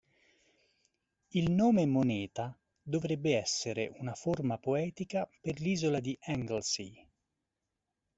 Il nome Moneta dovrebbe essere una forma poetica per l'isola di Anglesey.